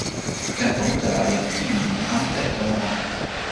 tenpo mute la jan Timi li ante e tomo ona.